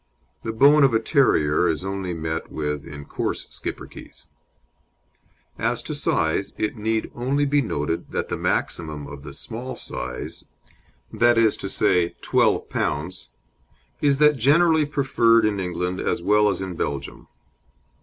The bone of a terrier is only met with in coarse Schipperkes. As to size, it need only be noted that the maximum of the small size, viz., 12 lbs., is that generally preferred in England, as well as in Belgium.